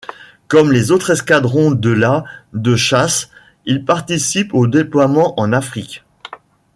Comme les autres escadrons de la de chasse, il participe aux déploiements en Afrique.